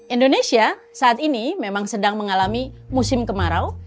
indonesia saat ini memang sedang mengalami musim kemarau